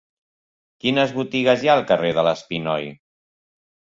Quines botigues hi ha al carrer de l'Espinoi?